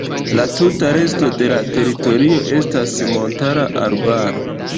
La tuta resto de la teritorio estas montara arbaro.